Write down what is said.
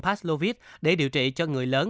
paxlovit để điều trị cho người lớn